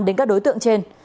đến các đối tượng trên